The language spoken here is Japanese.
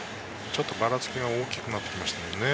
ちょっとばらつきが大きくなってきましたね。